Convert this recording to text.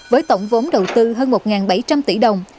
với tổng vốn đầu tư hơn một bảy trăm linh tỷ đồng